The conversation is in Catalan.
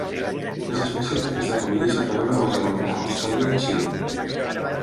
Les espècies d'aquesta família es troben a Nova Zelanda, Austràlia i Xile.